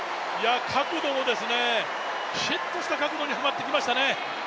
角度もきちっとした角度にはまってきましたね。